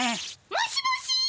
もしもし！